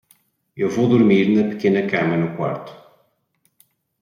Eu vou dormir na pequena cama no quarto.